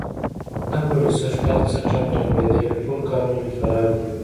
نه پوهېږم چې سږ کل څه ټکه را لوېدلې ټول کارونه مې خراب دي.